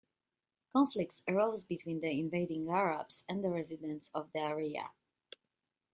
Conflicts arose between the invading Arabs and the residents of the area.